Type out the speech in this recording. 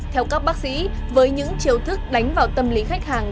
theo các bác sĩ với những chiêu thức đánh vào tâm lý khách hàng